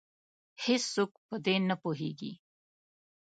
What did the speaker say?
هیڅوک په دې نه پوهیږې